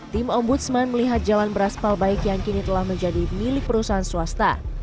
tim ombudsman melihat jalan beraspal baik yang kini telah menjadi milik perusahaan swasta